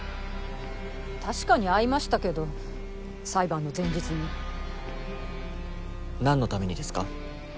確かに会いましたけど裁判何の為にですか？